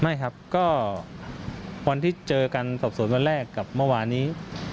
ไม่ครับก็วันที่เจอกันสอบสวนวันแรกกับเมื่อวานนี้